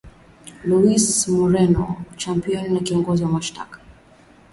luis moreno ocampo ni kiongozi wa mashtaka